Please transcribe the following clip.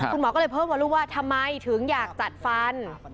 คุณหมอก็เลยเพิ่มว่าลูกว่าทำไมถึงอยากจัดฟัน